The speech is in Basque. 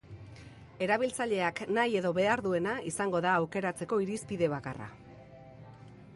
Erabiltzaileak nahi edo behar duena izango da aukeratzeko irizpide bakarra.